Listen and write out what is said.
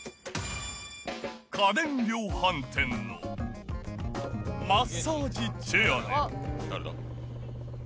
家電量販店のマッサージチェアで。